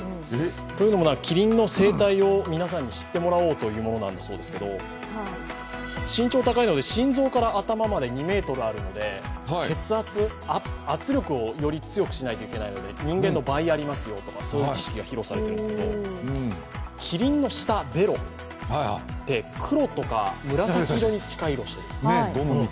というのもキリンの生態を皆さんに知ってもらおうというものだそうですけれども身長が高いので心臓から頭まで２ｍあるので、血圧、圧力をより強くしないといけないので人間の倍ありますよとかそういう知識が披露されているんですけれどもキリンの舌、ベロって黒とか紫色に近い色をしている。